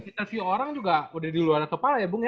kita view orang juga udah di luar atau parah ya bung ya